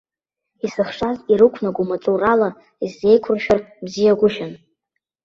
Исыхшаз ирықәнаго маҵурала исзеиқәыршәар бзиагәышьан.